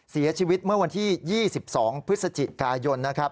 เสียชีวิตเมื่อวันที่๒๒พฤศจิกายนนะครับ